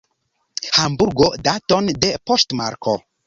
Hamburgo, daton de poŝtmarko.